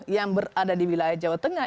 yang berada di wilayah jawa tengah